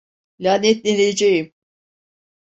Lanetleneceğim.